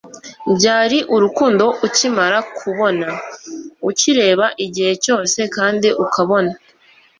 byari urukundo ukimara kubona, ukireba, igihe cyose kandi ukabona